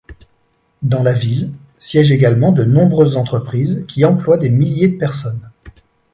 Dans la ville siègent également de nombreuses entreprises qui emploient des milliers de personnes.